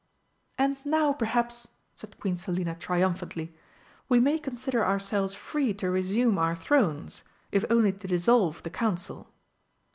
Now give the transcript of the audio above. "And now, perhaps," said Queen Selina triumphantly, "we may consider ourselves free to resume our thrones, if only to dissolve the Council?"